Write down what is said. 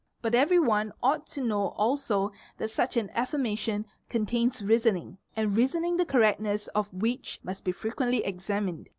But every one ought to know also that such an affirmation contains reasoning, and reasoning the correctness of which must be frequently examined.